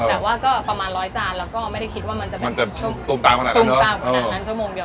แต่ว่าก็ประมาณร้อยจานแล้วก็ไม่ได้คิดว่ามันจะตุ้มตามขนาดนั้นชั่วโมงเดียว